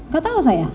kau tau saya